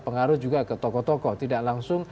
pengaruh juga ke tokoh tokoh tidak langsung